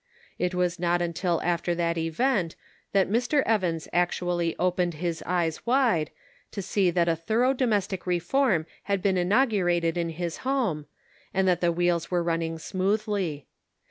It was not until after that event that Mr. Evans actually opened his eyes wide, to see that a thorough domestic reform had been inaugurated in his home, and that the wheels were running smoothly.